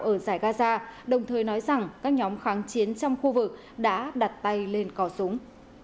ở giải gaza đồng thời nói rằng các nhóm kháng chiến trong khu vực đã đặt tay lên cỏ súng